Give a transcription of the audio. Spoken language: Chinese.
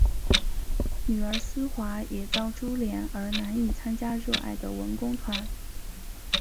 女儿思华也遭株连而难以参加热爱的文工团。